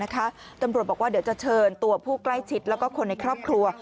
ตำรวจบอกว่าเดี๋ยวจะเชิญตัวผู้ใกล้ชิดแล้วก็คนในครอบครัว